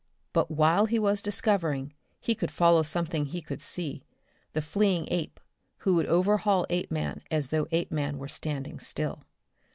But while he was discovering, he would follow something he could see the fleeing ape, who would overhaul Apeman as though Apeman were standing still.